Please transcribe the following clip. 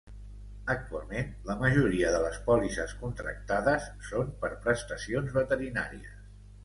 Actualment la majoria de les pòlisses contractades són per prestacions veterinàries.